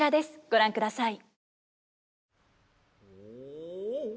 ご覧ください。